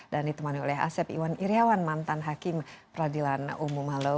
ditemani oleh asep iwan iryawan mantan hakim peradilan umum halo